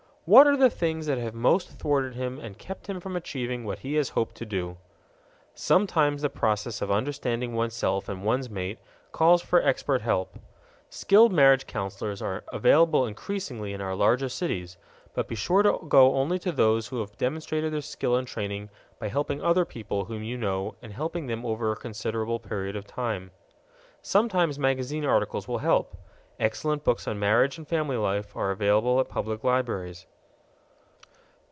What are the things that have most thwarted him and kept him from achieving what he has hoped to do? Sometimes the process of understanding oneself and one's mate calls for expert help. Skilled marriage counselors are available increasingly in our larger cities (but be sure to go only to those who have demonstrated their skill and training by helping other people whom you know and helping them over a considerable period of time). Sometimes magazine articles will help. Excellent books on marriage and family life are available at public libraries.